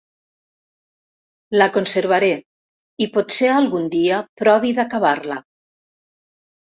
La conservaré i potser algun dia provi d'acabar-la.